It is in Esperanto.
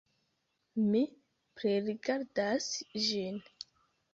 Mi pririgardas ĝin.